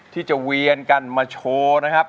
ที่จะเวียนกันมาโชว์นะครับ